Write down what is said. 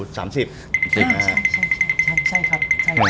ใช่ครับ